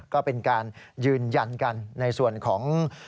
ก็เป็นการยืนยันกันในส่วนของ